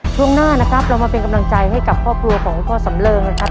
ช่วงหน้านะครับเรามาเป็นกำลังใจให้กับครอบครัวของคุณพ่อสำเริงนะครับ